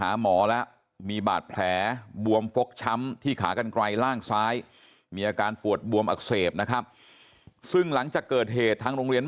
อะไรอย่างเงี้ย